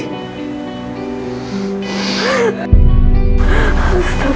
kamu gak pernah dukung aku selama ini